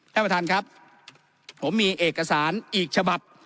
ท่านประธานครับผมมีเอกสารอีกฉบับ